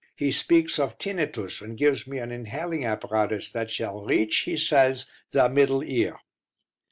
He speaks of tinnitus, and gives me an inhaling apparatus that shall reach, he says, the middle ear.